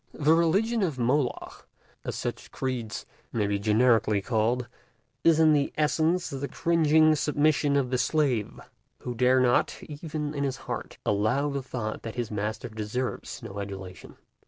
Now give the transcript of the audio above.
The religion of Moloch—as such creeds may be generically called—is in essence the cringing submission of the slave, who dare not, even in his heart, allow the thought that his master deserves no adulation.